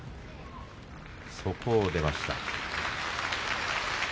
そこを出ました。